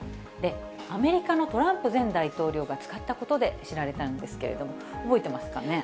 アメリカのトランプ前大統領が使ったことで知られたんですけれども、覚えてますかね。